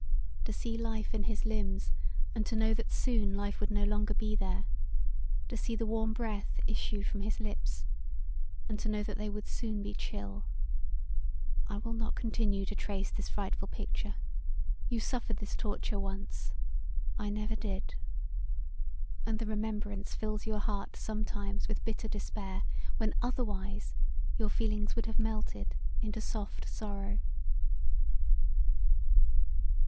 To see life in his limbs & to know that soon life would no longer be there; to see the warm breath issue from his lips and to know they would soon be chill I will not continue to trace this frightful picture; you suffered this torture once; I never did. And the remembrance fills your heart sometimes with bitter despair when otherwise your feelings would have melted into soft sorrow.